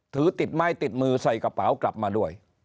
ถือติดไม้ติดมือใส่กระเป๋ากลับมาด้วย